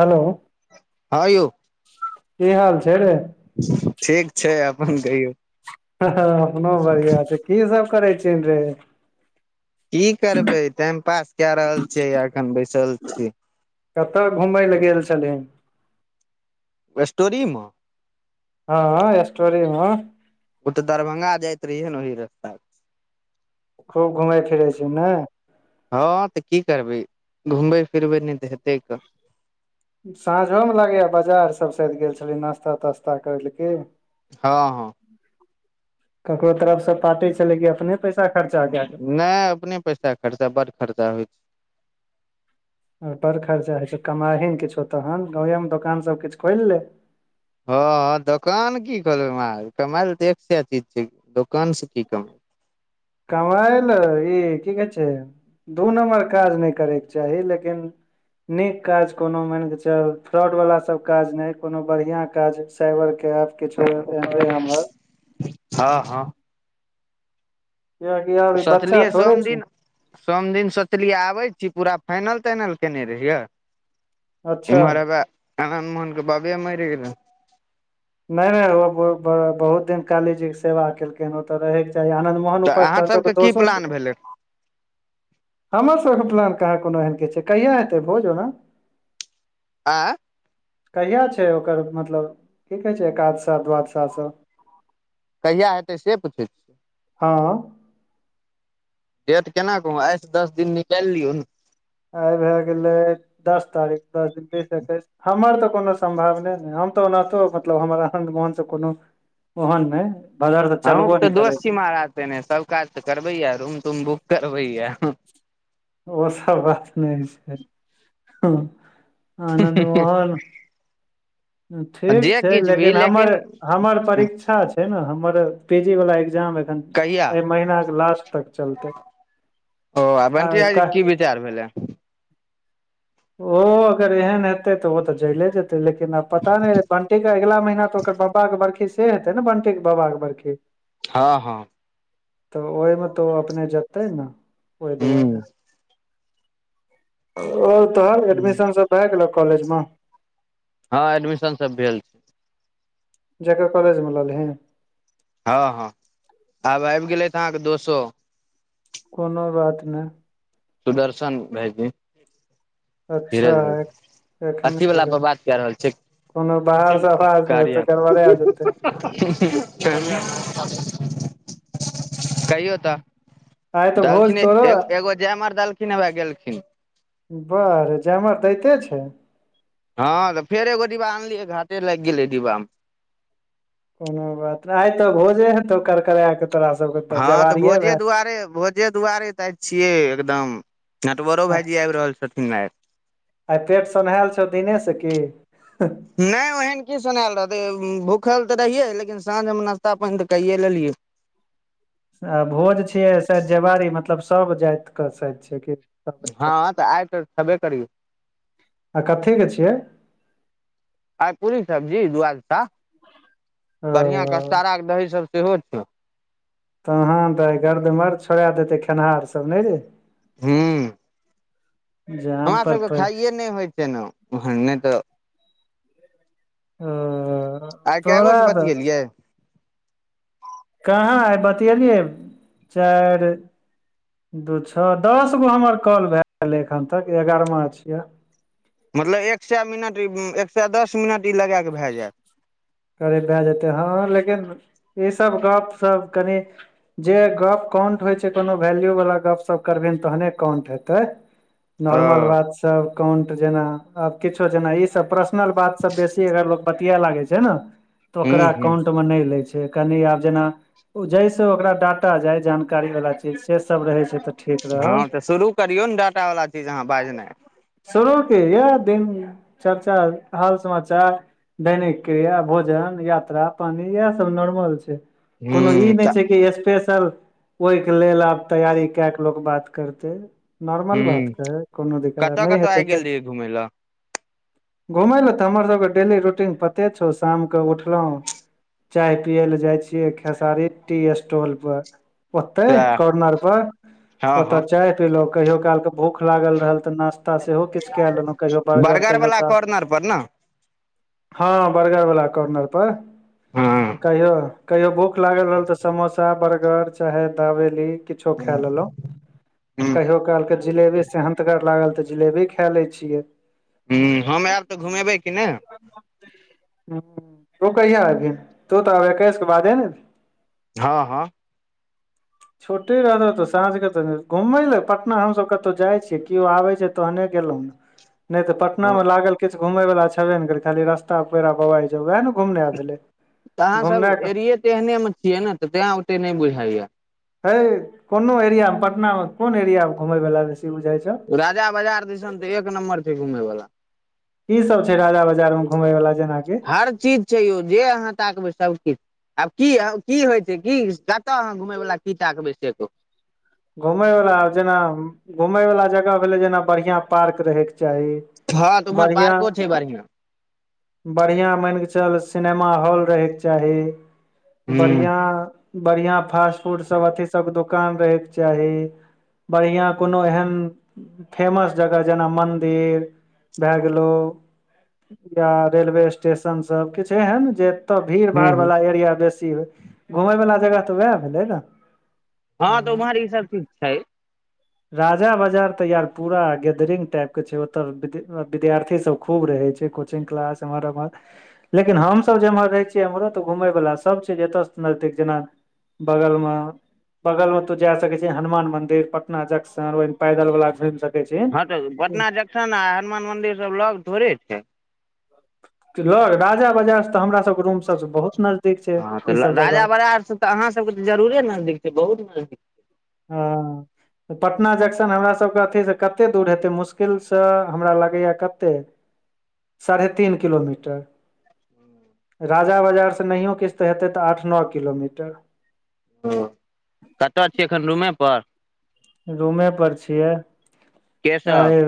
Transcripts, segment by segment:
Hello हँ यौ कि हाल छै रे ठीक छै अपन कहियौ ह ह अपनो बढ़िआँ छै की सब करै छी रे। की करबै टाइम पास कए रहल छियै एखन बैसल छी। कतऽ घुमय ल गेल छलीहीन एटोरी मे हँ एसटो री मे ओ तऽ दरभंगा जाय रहिएै न ओहि रस्ता खूब घुमै फिरै छी नै। हँ तऽ की करबै घुमबै फिरबै नै तऽ हेतै क साँझोम लागैया बाजार सब साएद गेल छली नास्ता तास्ता करै लए की हँ हँ ककरो तरफ स पाटी छेलै की अपने पैसा। खर्चा कए नायऽ अपने पैसा खर्चा बड खर्चा होइ छै। आ बड़ खर्चा होइ छै कमाहीन किछौ तहन गाँवेमे दोकान सब किछु खोलि ले। हँ हँ दोकान की खोलबै कमायल तऽ एकसा चीज छै दोकान से की कमाय कमइ ल ई की कहै छै दू नम्बर काज नै करयके चाही लेकिन नीक काज कोनो मानिक चल फ्रॉड वाला सब काज नै कोनो बढ़िया काज साइबर के एफ हँ हँ कियाकि आब ई बच्चा सोचलियै थोड़े सोम छै दिन। सोम दिन सोचलियै आबै छी पूरा फाइनल-ताइनल केने रहियैय। अच्छा इमहर एबा आनन्द- मोहन के बाबे मरि गेलय। नैऽ नैऽ ओ बहुत दिन काली जी के सेवा केलकै। किन ओतऽ रहेके चाही आनन्द मोहन तऽ उपर अहाँ से सभ सबके के की दोषो छै। प्लान भेलै हमर सभ के प्लान कहा कोनो एहन के छै। कहिा हेतै भोज ओना आइ कहिया छै। ओकर मतलब की कहै छै। एकादशा दुआदशी सभ कहिया हेतै से पूछै छियै हाँ डेट केना कहू आइ सँ दस दिन निकालि लियौ ने आ भए गेलै दस तारीख दस दिन बीस त एकैस हमर तऽ कोनो सम्भवने ने हम तऽ ओनाहितो मतलब हमर आनन्द मोहन से कोनो ओहन नहि बजार तऽ चलबो नै करै छि ने सभ काज तऽ करबैय रूम तूम बुम करबैया ओ सभ बात नहि छै आनन्द मोहन। ठीक जे छै। किछु भी लेकिन हमर हमर परीक्षा छै। सेना हमर पीजी वाला एग्जाम अइ एखन कहिया एहि महीन के लास्ट तक चलतै आ क तैयार भेलै। ओ अगर एहन। हइ तऽ ओ तऽ जले जेतै लेकिन आब पता नहि बंटी के अगिलामहिना तऽ ओकर पप्पा के बर्खी छैइ से हेतै ने बनटे बाबाऽ बड़खी हँ हँ तऽ ओहिमे तऽ ओ अपने जेतै ने ओहि हूँ दुआरे। आओर तो एडमिशन सभ भए गेल कॉलेज में हँ एडमिशन सभ भेल जकर कॉलेज में ललेहिन हँ हँ आब आबि गेलैथ अहाँके दोस्तों कोनो बात नइ सुदर्शन भाई जी [inaudible] अच्छा अइ एखने अथी वला एला पर बात कए रहल छियै कोनो बाहर सँ आवाजतै गड़बड़े आऽ जेतै [unintelligible] कहि ताऽ आइ तऽ भोज दालखिने तोरो एग एगो जय मार देलखिन ह वए गेलखिन बड़ जेमर दैते छै। हँ त फेर एगो डिब्बा अनलिइ घाटे लागि गेलै डिब्बा में कोनो बात नइ आइ तऽ भोजे हेतौ करकरा कऽ तोरा सबके हँ तऽ जवारिये भोजे भए दुआरे भोजे दुआरे तऽ इ छियै एकदम नटवरो भाई जी आबि रहल छथिन। आइ आइ पेट सन्हायल छौ दिने सऽ की नहि ओहन की सुनायल रहते भूखल तऽ रहिये लेकिन साँझ में नाास्ता पानि तऽ कैये लेलियै आ भोज छियै साद जवड़ी मतलब सभ जातिके साद छै। कि एकदम हँ तऽ आइ त छबे करौ आ तऽ कथी के छैय आइ पूड़ी सब्जी दुआदसा ओ बढ़िआँ कसटारा के दही सभ सेहो छै। तहन तऽ गर्दमर्द छोड़ा देतै खेनिहार सब नइ रै हुँ जान हमरा पर सबके पै खाइे नहि होइ छै ने ओहन नहि तऽ आ [inaudible] आइ कए गो सँ बतियेलियै कहाँ आइ बतएलियै चार दू छओ दस गो हमर कॉल भए गेलै एखन तक ए ग्यारहमा छियै मतलब एक सए मिनट ई एक सए दस मिनट ई लगा क भए जात करे भए जेतै हँ लेकिन ईसभ गप सभ कनि जे गप काउंट होइ छै कोनो वैल्यू वालला गप सप करबही तहने काउंट हेतै नॉर्मल ओ बात सब काउंट जेना आ किछो जेना ई सब प्रश्न ओरिजिनल बात सब लागे छै ने तऽ हूँ ओकरा हूँ ने लै छै कनि आब जेना जैस ओकरा डाटा जाय जानकारी वाल से सब रहै छै तऽ ठीक रहल हँ तऽ शुरू करियौ ने डाटावला चीज अहाँ बाजनाइ शुरू के यह दिन चर्चा हाल समाचार दैनिक। क्रिया भोजन यात्रा पानी इह सब नॉर्मल छै कोनो ई हूँ नहि तऽ छै कि स्पेस चल ओहिके लेल आब तैयारी काय कऽ लोक बात करते नॉर्मल हूँ बातके कोनो दिक्क कतऽ नहि कतऽ हेतै आइ गेल नहि रहियै घुमय लए घुमय लए तऽ हमर सभके डेली रूटीन पते छौ शामके उठलहु। चाय पिये ले जाइ छियै खेसारी टी स्टॉलपर ओतेय सएह कॉर्नर पर हँ ओताय हँ चाय पीलो कहियो काल के भूख लागल रहल ते नाश्ता सेहो किछ कय लेलो कहियो बर्गर कहियो तऽ [unintelligible] ार पर ने हँ बर्गर वला कॉर्नर पर हँ कहियो कहियो भूख लागल रहल तऽ समोसा बर्गर चाहे दावेली। किछो खाय लेलहुँ हूँ कहियो कहलके जिलेबी सेहन्तगर लागल तऽ जिलेबी खाय ले छियै हूँ हम आयब तऽ घुमेबै कि नहि तू कहिया आगे तो तऽ अबश के बादे ने हँ छुट्टी रहतौ तऽ साँझके तऽ घुमै लए पटना हमसब कतहुँ जाइ छियै केओ आबै छै तहने गेलहुँ नहि तऽ पटना हँ मे लागल किछु घुमै वला छेबे ने करै खाली [unintelligible] रास्ता [unintelligible] तर आबाइ जगहै ने घुमने अहाँ सब एरिये तऽ एहने मे छियै ने तऽ तैं ओते नहि बुझाइ या हे कोनो एरिया मे पटना मे कोन एरिया मे घूमय वला बेसी बुझाइ छै राजा बाजार दिसन तऽ एक नम्बर छै घुमै बला कि सब छै राजा बाजार में घूमेय वाला जेनाकि। हर चीज छै यौ जे अहाँ ताकबै सभकिछु आब की की होइ छै की कतऽ अहाँ घुमय वला की ताकबै से कहूँ घुमय वला जेना घुमय वला जगह भेलै जेना बढिया पार्क रहेके चाही, हँ उम्हर पार्को छै बढ़ियां बढ़िया मान कऽ चल सिनेमा हॉल रहैके चाही ह बढ़िआँ बढ़िआँ फास्ट फूडसभ अथि सभ दोकान रहै के चाही बढ़िआँ कोनो एहन फेमस जगह जेना मन्दिर भए गेलौ या रेलवे स्टेशन सब किछ एहन जे। तऽ भीड़ भाड़ ह वाला एरिया बेसी घूमय वला जगह तऽ उएह भेलै ने। हाँ तऽ हँ, उम्हर ई सब चीज छै राजा बाजार त यार पूरा गेदरिंग टाइप के छैय ओत विद्यार्थी सब खूब रहे छैय। कोचिंग क्लास इहर ऐमहर लेकिन हमसभ जेम्हर रहै छियै एमहरो तऽ घुमयवला सब छैय एतय नजदीक जेना। बगल म बगल में ओतौ जाय सकै छैय हनुमान मंदिर। ना जंक्शन पैदल वला‌ छै हाँ तऽ पटना जंक्शन आ हनुमान मंदिर सब लौग थोड़े छै लग राजा बाजार तऽ हमरा सबके रूम सबसे बहुत नजदीक छैय हँ इ तऽ सब राजा जगह। बरार से तऽ अहाँ सबके तऽ जरुरे नजदीक छै बहुत नजदीक। हाँ। पटना जंक्शन हमरा सबके अथी से कते दूर हेतै मुश्किल से हमरा लगैया कते। सारहे तीन किलोमीटर। राजा बजार से नहियो किछ तऽ हेतै तऽ आठ नओ किलोमीटर। हॅं कतऽ छियै एखन रूमे पर। रूमे पर छियै के सब आय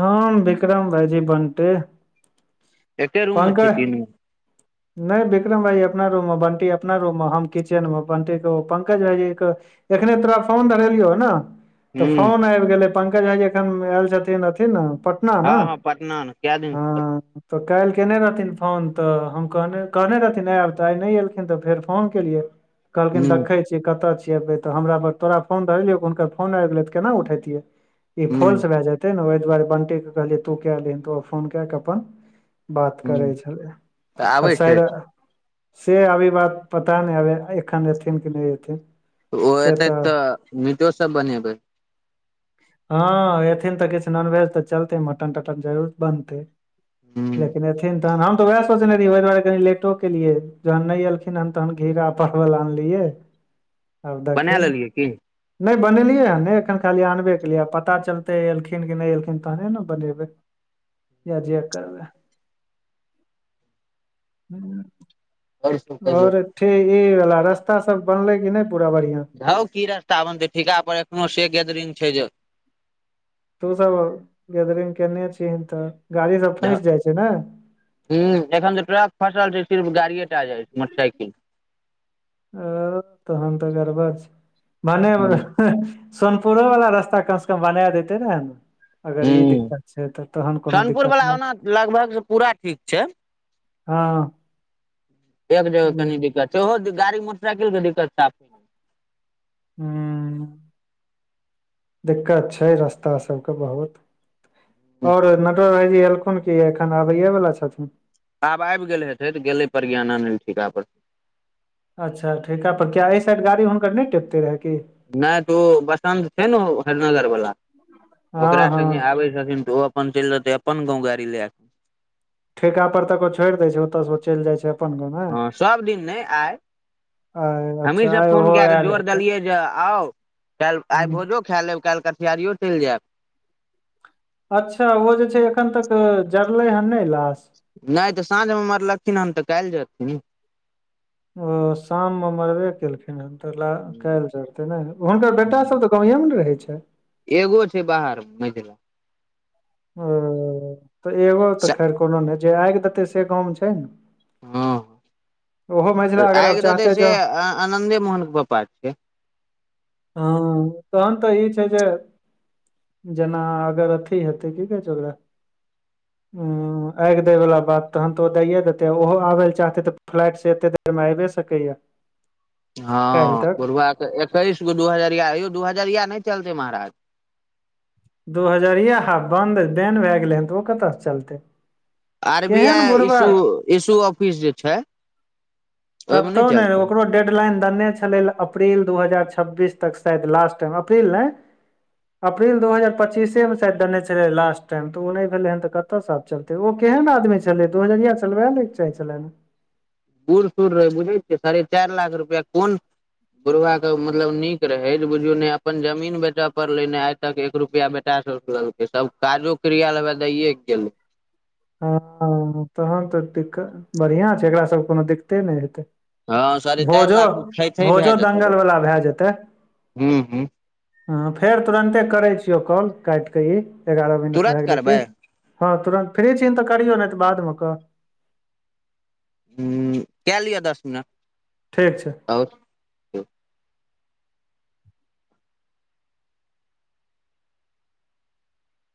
हम बिक्रम भाइजी बंटी एके रूम मे छी पंकज। तीनू [inaudible] नै बिक्रम भाई अपना रूम मे बंटी अपना रूम मे हम किचेन मे बंटीे के ओ पंकज भाईजी के। एखने तोरा फोन धरलियौ। हन त हूँ फोन एइगेले पंकज भाई जी ऐखन‌ एल जतिन अथी न टन न हँ हँ पटना मे कै दिन से हाँ। तऽ कैल केने रहथिन फोन तऽ हम कहने रहथिन आयब तऽ आइ नै एयलखिन तऽ फेर फोन केलियै कहलखिन ह देखै छियै कतऽ छियै एबै तऽ हमरा पर तोरा फोन धरेलियौ हुनकर फोन आबि गेले तऽ केना उठैबतीयै ई ह फॉल्स भए जैत ते ने ओहि दुआरे बंटी कहलियै तू कए लही त ओ फोन कए कऽ अपन बात करै ह छलै तऽ आबै आब छै शैर से अभी इ बात पता नै आबे एखन एथिन कि नै ऐथिन ओ एतैत तऽ मीटो सब बनेबै हाँ ऐथिन तऽ किछ नॉनवेज तऽ चलतै मटन तटन जरूर बनतै ह लेकिन एथिन तहन हम तऽ वएह सोचने रहियै ओहि दुआरे कनी लेटो केलिए जहन नै एलखिन हन तहन घिरा परवल आनलियै आब देखिन की की नै बनेलियै हन ने एखन खाली अनबे केलियै पता चलते एलखिन कि नै एलखिन तहने ने बनेबै या जे करबै आओर सब कहियौ और ठिही वाल रस्ता सब बनले की नै पूरा बढ़िया। हौ की रास्ता बनते ठीका पर एखनो से गेदरिंग छै जे। तू सब गेदरिंग केनै छिहीन तऽ गाड़ी सब फैंस जाइ छै न। इ ह एखन तऽ ट्रक फसल छैय सिर्फ गाड़िये टा जाइ छै मटरसाईकिल। ओ तहन तऽ गड़बड़ छै बनेबै। एह सोनपुरो वाला रास्ता कम से कम बना देते ने अगर ह इ दिक्कत छैय तऽ तहन कोनो सोनपुर दिक्कत वाला नय ओना लगभग से पूरा ठीक छै हाँ एक जगह कनी दिक्कत छैय ओहो गाड़ी मोटरसाईकिल के साफे दिक्कत हूं दिक्कत छैय रस्ता सबके बहुत और नटवर भाईजी एलखुन कि एखन आबैयए वला छथून आब आइब गेल हेतै तऽ गेले प्रज्ञान आनैलेल ठीका परसे अच्छा ठीका पर किया ऐ साइड गाड़ी हुनकर नय टिपते रहै कि नय तऽ ओ बसन्त छैय ने हेरनगर वला हँ ओकरा संगे हँ आबै छथिन तऽ ओ वसंत चेल जतय अपन गांव गाड़ी लैके ठीका पर तक ओ छोइड़ दै छै ओतऽसँ ओ चइल जाइ छै अपन गाँव ने हँ सभ दिन नय आइ आ हमहीँ अच्छा सब आइ फोन ओहो कए कऽ आयल जोर हेतै देलियै जे आउ काल्ह आइ हूँ भोजो खा लेब काल्ह कठिहारियो चइल जायब अच्छा ओ जे छै एखन तक जरले हन नय लाश नय तऽ साँझमे मरलखिन हन तऽ काल्ह जर्थिन न ओ शाममे मरबे केलखिन हन तऽ काल्ह जरते ने हुनकर बेटा सभ तऽ गाँवेमे न रहै छै एगो छै बाहर में मंझिला ओ तऽ एगो तऽ स- खैर कोनो नय जे आइग देतै से गाँवमे छै न हँ अगर आइग आब देतै चाहते से ज आनन्दे मोहनके पप्पा छिए हँ तहन तऽ ई छै जे जेना अगर अथी हेतै त कि कहै छै ओकरा उ आइग देय वाला बात तहन तो ओ दाइए देते ओहो आबे ले चाहते ते फ्लाइट से एते एहिमे आबे सकैया काल्हि हँ तक बुढ़बा के एकैस गो दू हजरिया यौ दू हजरिया नय चलतै महाराज दू हजरिया आब बन्द बैन भए गेलै हन तऽ ओ कतयसँ चलतै आर बी केहन आई इशू बुढ़बा इशू ऑफिस जे छै ओहिमे कतौ नहि ने चलतै ओकरो डेट डेडलाइन दनै छलै अप्रिल दू हजार छब्बीस तक सायद लास्ट टाइम अप्रील नय अप्रील दू हजार पच्चीसे में शायद देने छलै लास्ट टाइम तऽ ओ नय भेलै हन तऽ कतयसँ आब चलतै ओ केहन आदमी छलै दू हजरिया चलबै लय के चाहि छलै न बूढ़ सुढ़ रहै बुझै छियै साढ़े चार लाख रुपैआ कोन बुढ़वा के मतलब नीक रहे जे बुझु ने अपन जमीन बेचय पड़ले ने आ तक एक रुपआ बेटा स लेलकै सब काजो क्रिया लेल दैए के गेले हँ तहन तऽ दिक्कत बढ़िआँ छै एकरा सभके कोनो दिक्कते नय हेतै हँ साढ़े चारि भोजो लाख मे छै छै भए भोजो जेतै दंगलवला भए जेतै हूँ हूँ हँ फेर तुरन्ते करै छियौ कॉल काइट कऽ ई एगारह मिनट तुरत भए गेलै कि करबै हँ तुरन्त फ्री छी तऽ करियौ ने तऽ बादमे कहऽ हं कै लिअ दस मिनट ठीक छै ओर